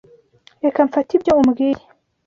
Reka mfate ibyo umbwiye .